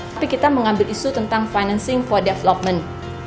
tapi kita mengambil isu tentang financing for development